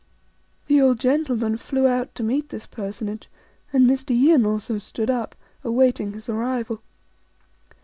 The old gentleman flew out to meet this personage, and Mr. Yin also stood up, awaiting his arrival.